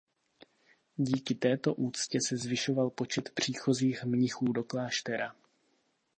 Díky této úctě se zvyšoval počet příchozích mnichů do kláštera.